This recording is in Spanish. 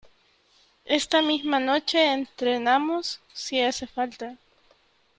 esta misma noche entrenamos , si hace falta .